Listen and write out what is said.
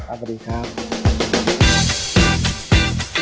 ขอบคุณครับ